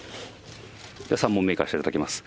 ３問目いかせていただきます。